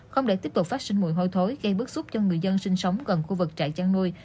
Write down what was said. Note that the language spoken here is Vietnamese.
không để tiếp tục phát sinh mùi hôi thối gây bức xúc cho người dân sinh sống gần khu vực trại chăn nuôi